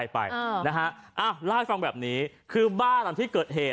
เป็นเมียเป็นกิ๊กหรือว่าขโมยอะไรรถโบราณ